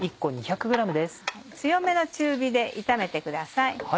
強めの中火で炒めてください。